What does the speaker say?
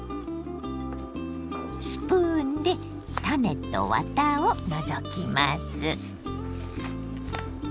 スプーンで種とワタを除きます。